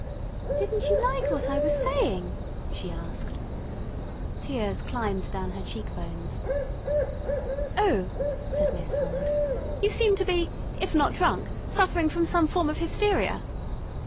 "Didn't you like what I was saying?" she asked. Tears climbed down her cheekbones. "Oh!" said Miss Ford. "You seem to be if not drunk suffering from some form of hysteria."